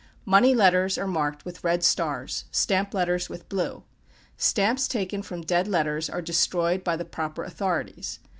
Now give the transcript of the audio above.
Money letters are marked with red stars, stamp letters with blue. Stamps taken from dead letters are destroyed by the proper authorities.